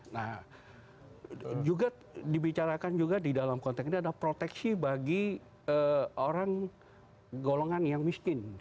nah juga dibicarakan juga di dalam konteks ini adalah proteksi bagi orang golongan yang miskin